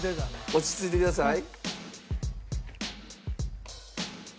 落ち着いてください。